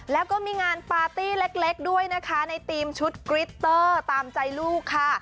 แล้วก็มีงานปาร์ตี้เล็กด้วยนะคะในทีมชุดกริตเตอร์ตามใจลูกค่ะ